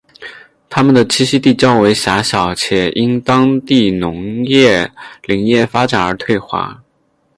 它们的栖息地较为狭小且因当地农业林业发展而退化。